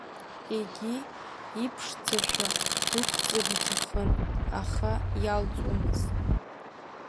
Егьи иԥшӡашәа дықәҵыр иҭахын, аха иалҵуамызт.